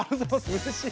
うれしい！